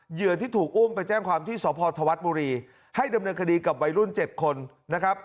ที่ถูกอุ้มไปแจ้งความที่สพธวัฒน์บุรีให้ดำเนินคดีกับวัยรุ่น๗คนนะครับ